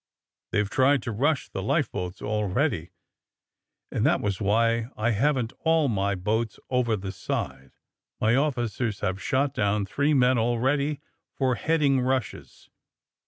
They've tried to rush the life boats already, and that was why I haven't all my boats over the side. My officers have shot down three men, already, for heading rushes.